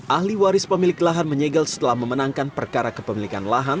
ahli waris pemilik lahan menyegel setelah memenangkan perkara kepemilikan lahan